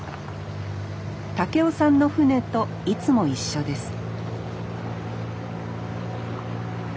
孟夫さんの船といつも一緒です